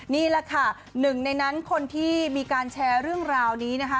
นี่แหละค่ะหนึ่งในนั้นคนที่มีการแชร์เรื่องราวนี้นะคะ